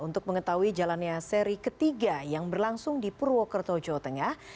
untuk mengetahui jalannya seri ketiga yang berlangsung di purwokerto jawa tengah